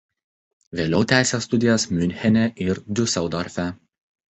Vėliau tęsė studijas Miunchene ir Diuseldorfe.